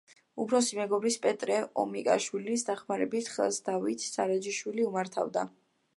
უფროსი მეგობრის, პეტრე უმიკაშვილის დახმარებით, ხელს დავით სარაჯიშვილი უმართავდა.